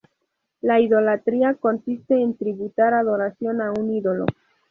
La idolatría consiste en tributar adoración a un ídolo.